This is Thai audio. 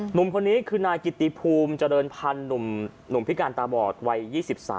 หนุ่มคนนี้คือนายกิติภูมิเจริญพันธ์หนุ่มพิการตาบอดวัย๒๓